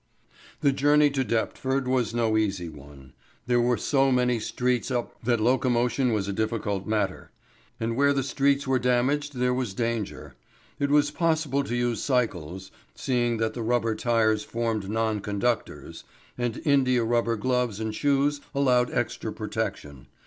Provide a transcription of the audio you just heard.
The journey to Deptford was no easy one. There were so many streets up that locomotion was a difficult matter. And where the streets were damaged there was danger. It was possible to use cycles, seeing that the rubber tires formed non conductors, and indiarubber gloves and shoes allowed extra protection.